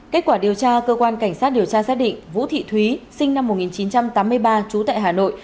kết quả điều tra cơ quan cảnh sát điều tra xác định vũ thị thúy sinh năm một nghìn chín trăm tám mươi ba trú tại hà nội